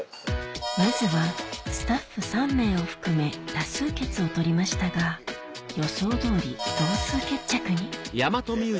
まずはスタッフ３名を含め多数決を採りましたが予想どおり同数決着に出たよ。